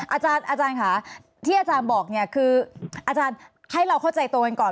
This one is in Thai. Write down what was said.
อาจารย์ค่ะที่อาจารย์บอกเนี่ยคืออาจารย์ให้เราเข้าใจตัวกันก่อน